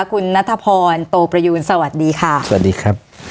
คุณนัทพรโตประยูนสวัสดีค่ะสวัสดีครับ